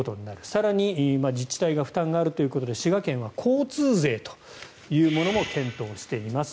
更に自治体が負担があるということで滋賀県は交通税というものも検討しています。